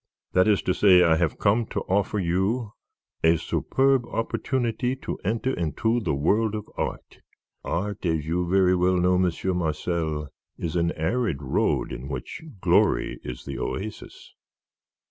That is to say, I have come to offer you a superb opportunity to enter into the world of art. Art, as you very well know, Monsieur Marcel, is an arid road, in which glory is the oasis."